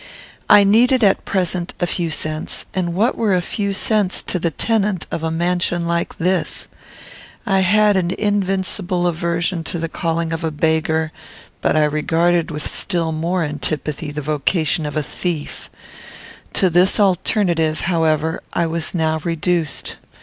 I needed at present a few cents; and what were a few cents to the tenant of a mansion like this? I had an invincible aversion to the calling of a beggar, but I regarded with still more antipathy the vocation of a thief; to this alternative, however, I was now reduced.